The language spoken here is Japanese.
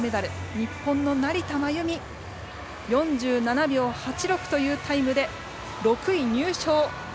日本の成田真由美４７秒８６というタイムで６位入賞。